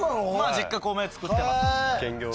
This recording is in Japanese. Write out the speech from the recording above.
実家米作ってますので。